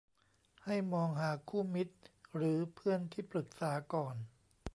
ให้มองหาคู่มิตรหรือเพื่อนที่ปรึกษาก่อน